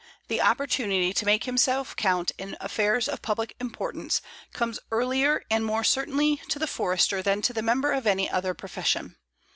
The opportunity to make himself count in affairs of public importance comes earlier and more certainly to the Forester than to the member of any other profession.